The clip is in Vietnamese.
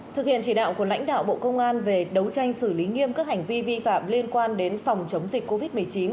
thực hiện chỉ đạo của lãnh đạo bộ công an về đấu tranh xử lý nghiêm các hành vi vi phạm liên quan đến phòng chống dịch covid một mươi chín